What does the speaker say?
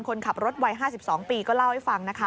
คนขับรถวัย๕๒ปีก็เล่าให้ฟังนะคะ